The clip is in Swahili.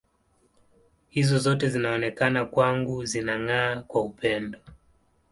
Hizo zote zinaonekana kwangu zinang’aa kwa upendo.